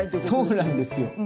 そうなんですよ。